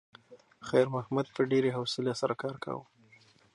خیر محمد په ډېرې حوصلې سره کار کاوه.